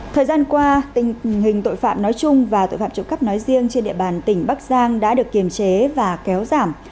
thời gian qua tình hình tội phạm nói chung và tội phạm trộm cắp nói riêng trên địa bàn tỉnh bắc giang đã được kiềm chế và kéo giảm